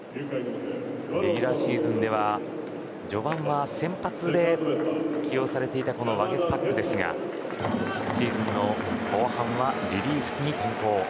レギュラーシーズンでは序盤は先発で起用されていたこのワゲスパックですがシーズン後半はリリーフに転向。